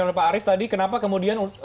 oleh pak arief tadi kenapa kemudian